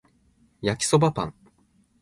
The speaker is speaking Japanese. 焼きそばパン